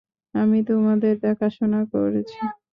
আমি তোমাদের দেখাশোনা করেছি।